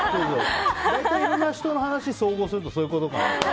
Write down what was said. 大体、いろんな人の話を総合するとそういうことかなって。